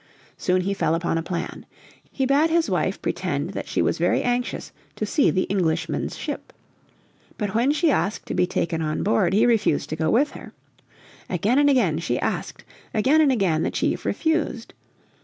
Soon he fell upon a plan. He bade his wife pretend that she was very anxious to see the Englishman's ship. But when she asked to be taken on board he refused to go with her. Again and again she asked. Again and again the chief refused.